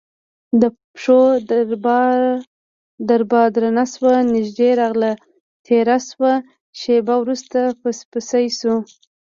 د پښو دربا درنه شوه نږدې راغله تیره شوه شېبه وروسته پسپسی شو،